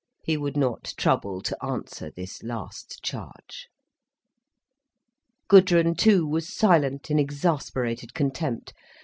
He would not trouble to answer this last charge. Gudrun too was silent in exasperated contempt.